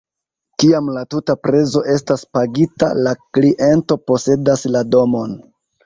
Kiam la tuta prezo estas pagita, la kliento posedas la domon.